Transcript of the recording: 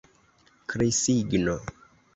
Krisigno.